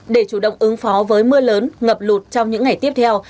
để chủ động ứng phó với mưa lớn ngập lụt trong những ngày tiếp theo